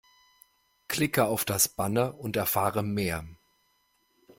Klicke auf das Banner und erfahre mehr!